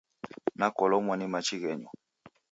Nakolomwa ni machi ghenywa.